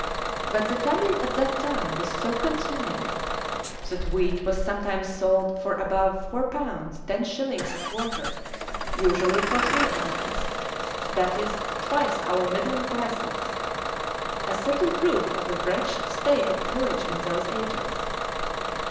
But the famine at that time was so consuming, that wheat was sometimes sold for above four pounds ten shillings a quarter,[*] usually for three pounds;[] that is, twice our middling prices: a certain proof of the wretched state of tillage in those ages.